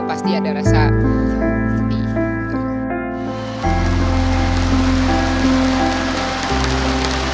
pasti ada rasa sedih